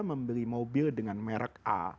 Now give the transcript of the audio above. membeli mobil dengan merek a